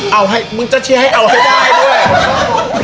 เอาให้มึงจะเชียร์ให้เอาให้ได้ด้วย